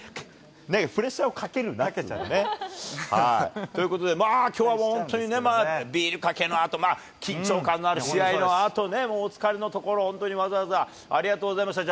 プレッシャーをかけるなって。ということでまあ、きょうはもう本当に、ビールかけのあと、緊張感のある試合のあとね、お疲れのところを、本当にわざわざありがとうございました。